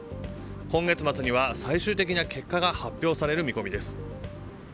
今月末には最終的な結果が発表される見込みです。